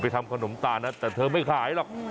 ทำขนมตาลนะแต่เธอไม่ขายหรอก